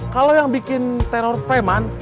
kalau yang bikin teror preman